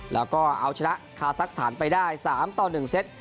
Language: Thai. แล้วก็เอาเฉละคาซักสถานไปได้สามต่อหนึ่งเส็ต